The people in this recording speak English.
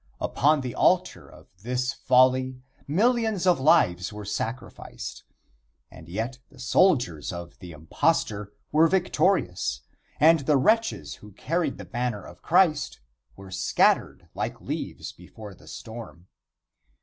Upon the altar of this folly millions of lives were sacrificed, and yet the soldiers of the impostor were victorious, and the wretches who carried the banner of Christ were scattered like leaves before the storm.